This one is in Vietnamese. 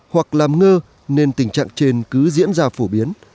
hoặc làm ngơ nên tình trạng trên cứ diễn ra phổ biến